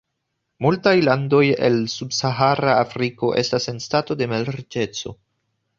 Multaj landoj el subsahara Afriko estas en stato de malriĉeco.